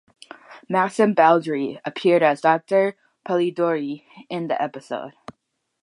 Maxim Baldry appeared as Dr John Polidori in the episode.